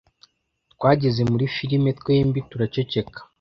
twageze muri filme twembi turaceceka